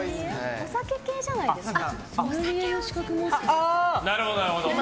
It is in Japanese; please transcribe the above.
お酒系じゃないですか？